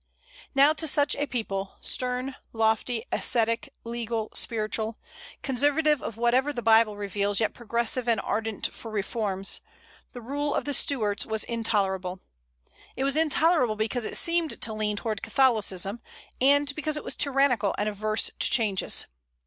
Now to such a people, stern, lofty, ascetic, legal, spiritual, conservative of whatever the Bible reveals, yet progressive and ardent for reforms, the rule of the Stuarts was intolerable. It was intolerable because it seemed to lean towards Catholicism, and because it was tyrannical and averse to changes.